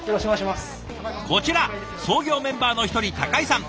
こちら創業メンバーの一人井さん。